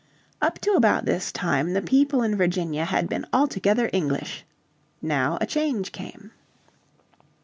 Up to about this time the people in Virginia had been altogether English. Now a change came.